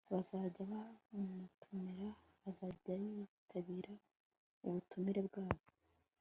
bazajya bamutumira azajya yitabira ubutumire bwabo